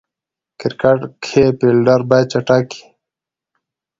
کرکټ کښي فېلډر باید چټک يي.